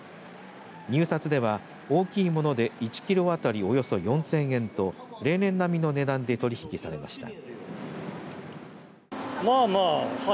入札では大きいもので１キロ当たりおよそ４０００円と例年並みの値段で取り引きされました。